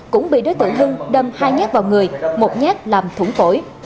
cũng bị đối tượng hưng đâm hai nhát vào người một nhát làm thủng phổi